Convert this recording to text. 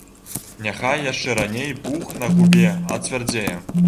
Няхай яшчэ раней пух на губе ацвярдзее.